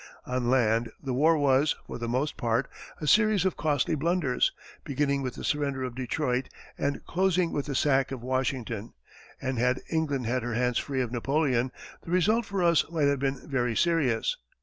On land, the war was, for the most part, a series of costly blunders, beginning with the surrender of Detroit, and closing with the sack of Washington, and had England had her hands free of Napoleon, the result for us might have been very serious.